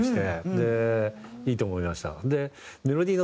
でいいと思いました。